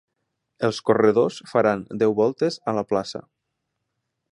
Els corredors faran deu voltes a la plaça.